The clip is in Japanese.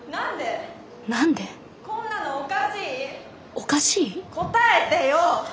おかしい？答えてよ！